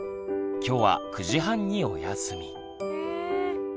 今日は９時半におやすみ。